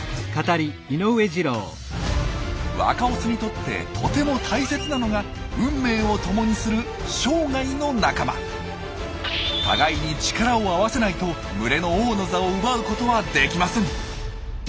若オスにとってとても大切なのが運命を共にする互いに力を合わせないと群れの王の座を奪うことはできません。